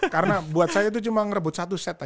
karena buat saya itu cuma ngerebut satu set aja